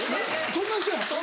・そんな人や。